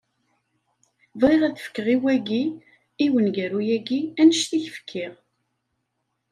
Bɣiɣ ad fkeɣ i wagi, i uneggaru-agi, annect i k-fkiɣ.